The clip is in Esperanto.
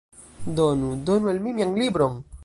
Donu! Donu al mi mian libron!